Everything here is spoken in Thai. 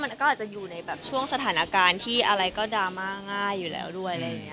อ๋อคือมันก็อาจจะอยู่ในช่วงสถานการณ์ที่อะไรก็บาปง่ายซักหน่อยอยู่แล้ว